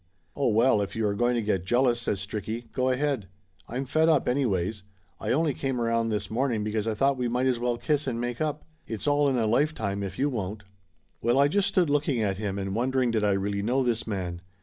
"Oh well, if you are going to get jealous," says Stricky, "go ahead. I'm fed up, anyways. I only came around this morning because I thought we might as well kiss and make up. It's all in a lifetime if you won't!" Well, I just stood looking at him and wondering did I really know this man?